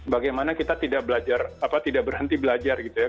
bagaimana kita tidak berhenti belajar gitu ya